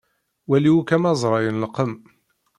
Wali akk amazray n lqem.